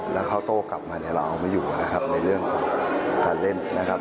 แล้วเข้าโต๊ะกลับมาเราเอามาอยู่ก่อนนะครับในเรื่องของการเล่นนะครับ